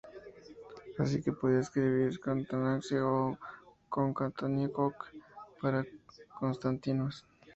Así, se podía escribir "ΚΟΝϹΤΑΝΤΙΝΟϹ" ó "ΚΟΝϚΑΝΤΙΝΟϹ" para "Constantinos".